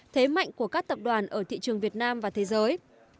thế mạnh của các tập đoàn ở thị trường việt nam và thế giới